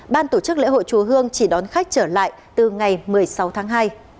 ban tổ chức lễ hội chùa hương chỉ đón khách trở lại từ ngày một mươi sáu tháng hai